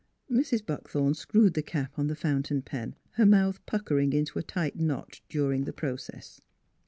Mrs. Buckthorn screwed the cap on the fountain pen, her mouth puckering into a tight knot during the process.